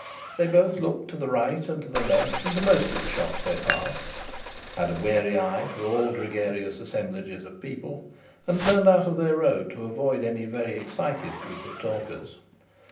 They both looked to the right and to the left into most of the shops they passed, had a wary eye for all gregarious assemblages of people, and turned out of their road to avoid any very excited group of talkers.